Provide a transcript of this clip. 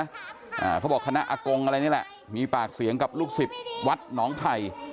อ่าเขาบอกคณะอากงอะไรนี่แหละมีปากเสียงกับลูกศิษย์วัดหนองไผ่